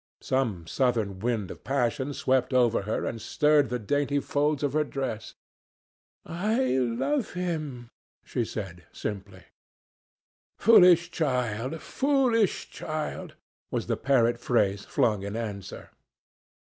Some southern wind of passion swept over her and stirred the dainty folds of her dress. "I love him," she said simply. "Foolish child! foolish child!" was the parrot phrase flung in answer.